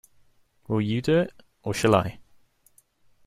Will you do it, or shall I?